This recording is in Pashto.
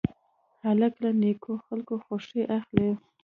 هلک له نیکو خلکو خوښي اخلي.